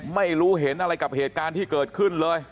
ไม่รู้เห็นอะไรกับเหตุการณ์ที่เกิดขึ้นเลย